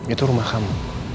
itu rumah kamu